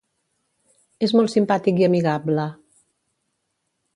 És molt simpàtic i amigable.